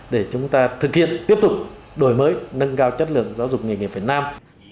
để chúng ta thực hiện tiếp tục đổi mới nâng cao chất lượng giáo dục nghề nghiệp việt nam